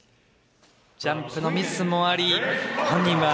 ジャンプのミスもあり本人は。